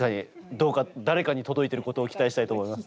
どうか誰かに届いてることを期待したいと思います。